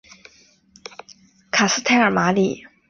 卡斯泰尔马里。